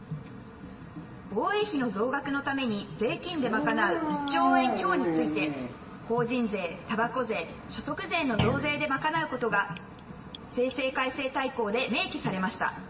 防衛費の増額のために税金でまかなう１兆円強について、法人税、たばこ税、所得税の増税で賄うことが税制改正大綱で明記されました。